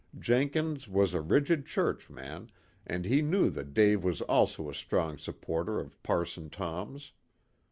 Jenkins was a rigid churchman, and he knew that Dave was also a strong supporter of Parson Tom's.